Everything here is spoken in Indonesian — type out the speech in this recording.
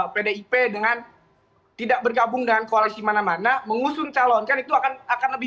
pdip dengan tidak bergabung dengan koalisi mana mana mengusung calon kan itu akan lebih